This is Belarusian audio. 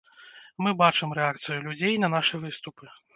Мы бачым рэакцыю людзей на нашы выступы.